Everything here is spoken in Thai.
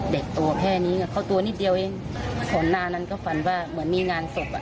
ตัวแค่นี้ไงเขาตัวนิดเดียวเองก่อนหน้านั้นก็ฝันว่าเหมือนมีงานศพอ่ะ